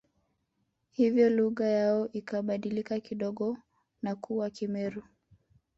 Hivyo lugha yao ikabadilika kidogo na kuwa Kimeru